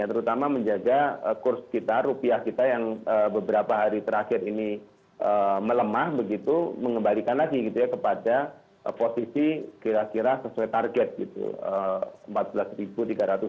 terutama menjaga kurs kita rupiah kita yang beberapa hari terakhir ini melemah begitu mengembalikan lagi gitu ya kepada posisi kira kira sesuai target gitu